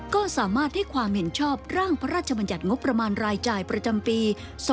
ก็สามารถให้ความเห็นชอบร่างพระราชบัญญัติงบประมาณรายจ่ายประจำปี๒๕๖